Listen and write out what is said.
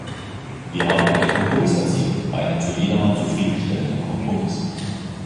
Wir haben einen Kompromiss erzielt, einen für jedermann zufriedenstellenden Kompromiss.